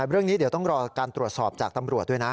เรื่องนี้เดี๋ยวต้องรอการตรวจสอบจากตำรวจด้วยนะ